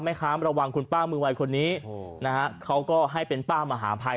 ค้ามระวังคุณป้ามือวัยคนนี้นะฮะเขาก็ให้เป็นป้ามหาภัย